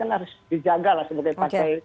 harus dijaga lah sebagai pasal